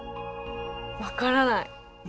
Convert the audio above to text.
分からない。